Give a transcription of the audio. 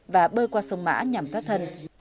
và bơi qua sông mã nhằm thoát thân